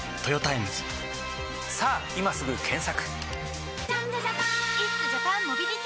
さぁ今すぐ検索！